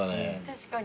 確かに。